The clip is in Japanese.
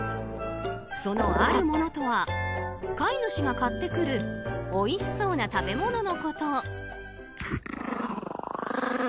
その、あるものとは飼い主が買ってくるおいしそうな食べ物のこと。